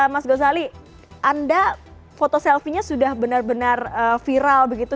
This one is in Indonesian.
mas ghazali anda foto selfie nya sudah benar benar viral begitu